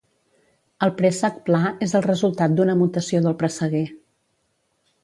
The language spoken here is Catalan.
El préssec pla és el resultat d'una mutació del presseguer